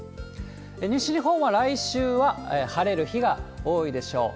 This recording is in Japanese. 西日本は来週は晴れる日が多いでしょう。